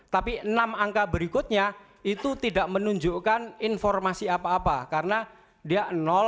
tapi enam angka berikutnya itu tidak menunjukkan informasi apa apa karena dia